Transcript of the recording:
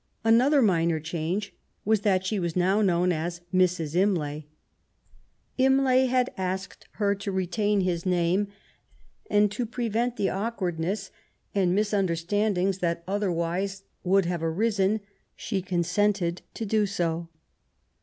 Another minor change was that she was now known as Mrs. Imlay . Imlay had asked her to retain his name ; and to 11 * 164 MART WOLLSTOXECBAFT GODWIN. prerent the awkwardness and misunderstandiiigB that otherwise would have arisen, she consented to do so.